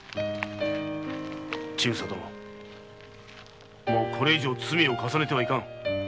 千草殿もうこれ以上罪を重ねてはいかん。